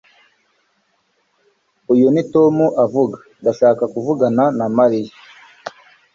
uyu ni tom avuga. ndashaka kuvugana na mariya